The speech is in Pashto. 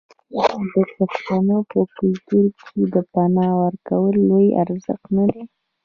آیا د پښتنو په کلتور کې د پنا ورکول لوی ارزښت نه دی؟